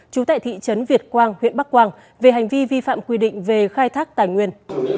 trú tại thị trấn việt quang huyện bắc quang về hành vi vi phạm quy định về khai thác tài nguyên